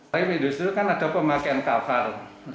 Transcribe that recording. pada industri itu kan ada pemakaian kavhr